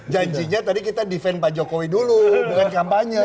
janjinya tadi kita defense pak jokowi dulu bukan kampanye